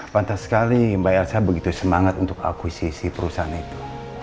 pantas sekali mbak elsa begitu semangat untuk akuisisi perusahaan itu